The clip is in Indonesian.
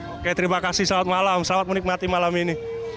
oke terima kasih selamat malam selamat menikmati malam ini